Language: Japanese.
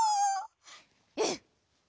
うん！